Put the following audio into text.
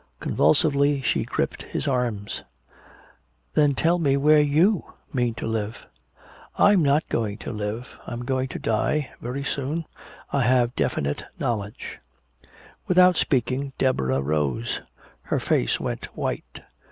Convulsively she gripped his arms: "Then tell me where you mean to live!" "I'm not going to live I'm going to die very soon I have definite knowledge." Without speaking Deborah rose; her face went white.